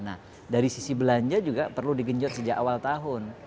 realisasi belanja juga perlu digenjot sejak awal tahun